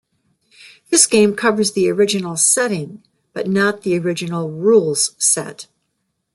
This game covers the original setting, but not the original rules set.